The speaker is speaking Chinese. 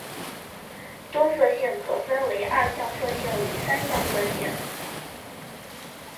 多色性可分为二向色性与三向色性。